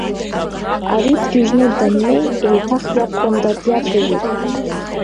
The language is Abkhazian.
Ари дгьыжьны даннеи еиҭах иабхәында диацәажәеит.